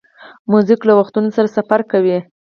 موزیک له وختونو سره سفر کوي.